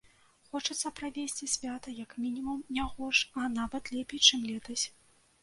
Хочацца правесці свята як мінімум не горш, а нават лепей, чым летась.